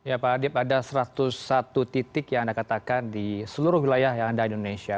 ya pak adip ada satu ratus satu titik yang anda katakan di seluruh wilayah yang ada di indonesia